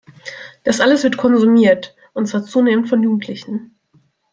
Das alles wird konsumiert, und zwar zunehmend von Jugendlichen.